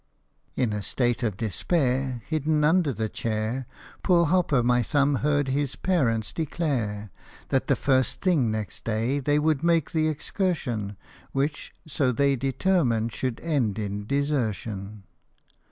In a state of despair, Hidden under the chair, Poor Hop o' my Thumb heard his parents declare That the first thing next day they would make the excursion Which, so they determined, should end in desertion.